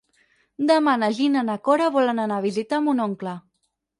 Demà na Gina i na Cora volen anar a visitar mon oncle.